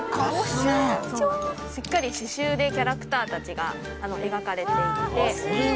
しっかりししゅうでキャラクターが描かれていて。